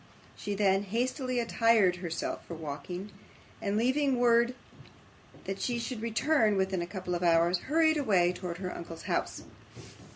She then hastily attired herself for walking, and leaving word that she should return within a couple of hours, hurried away towards her uncle's house.